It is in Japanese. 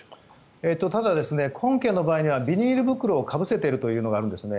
ただ、本件の場合はビニール袋をかぶせているというのがあるんですね。